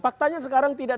faktanya sekarang tidak